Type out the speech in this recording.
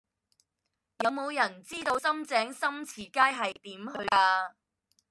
有無人知道深井深慈街係點去㗎